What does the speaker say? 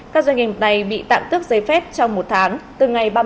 các doanh nghiệp này bị tạm tước giấy phép trong một tháng từ ngày ba mươi một tháng tám